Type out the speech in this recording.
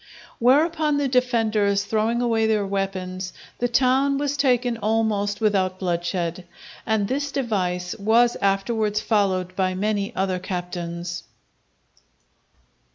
Whereupon the defenders throwing away their weapons, the town was taken almost without bloodshed. And this device was afterwards followed by many other captains.